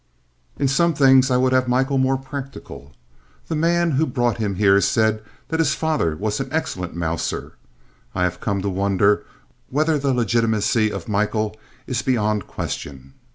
In some things I would have Michael more practical. That man who brought him here said that his father was an excellent mouser. I have come to wonder whether the legitimacy of Michael is beyond question.